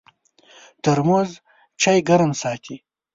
ترموز چای ګرم ساتي.